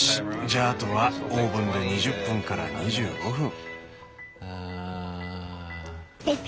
じゃああとはオーブンで２０分から２５分。